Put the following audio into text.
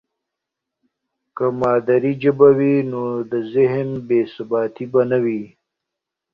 که مادي ژبه وي، نو د ذهن بې ثباتي به نه وي.